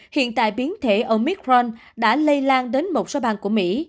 hiện tại biến thể omicron đã lây lan đến một số bang của mỹ